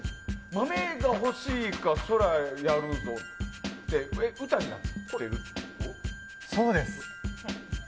「豆が欲しいかそらやるぞ」って歌になってる。